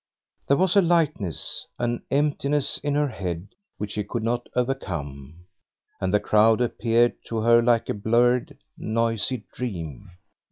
There was a lightness, an emptiness in her head which she could not overcome, and the crowd appeared to her like a blurred, noisy dream.